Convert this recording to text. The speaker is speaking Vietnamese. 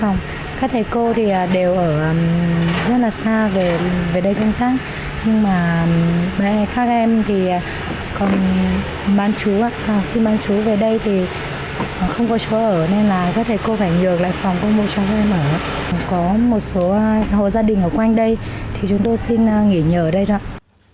nhưng mà các em thì còn bán chú học sinh bán chú về đây thì không có chỗ ở nên là các thầy cô phải nhờ lại phòng công vụ cho các em ở có một số hồ gia đình ở quanh đây thì chúng tôi xin nghỉ nhờ ở đây thôi ạ